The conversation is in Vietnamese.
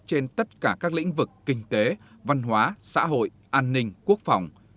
trên tất cả các lĩnh vực kinh tế văn hóa xã hội an ninh quốc phòng